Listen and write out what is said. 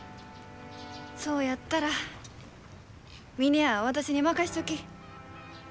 そうやったら峰屋は私に任しちょき。